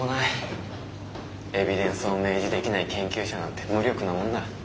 エビデンスを明示できない研究者なんて無力なもんだ。